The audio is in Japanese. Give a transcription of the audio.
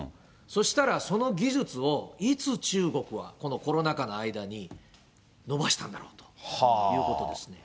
そしたらその技術をいつ中国は、このコロナ禍の間に伸ばしたんだろうということですね。